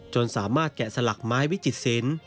สามารถแกะสลักไม้วิจิตศิลป์